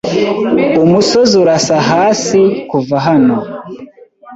Umusozi urasa hasi kuva hano.